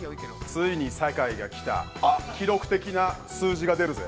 ついに酒井が来た、記録的な、数字が出るぜ。